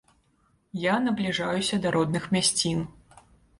Я набліжаюся да родных мясцін.